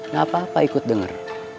nggak apa apa ikut dengar